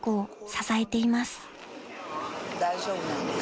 大丈夫なんです。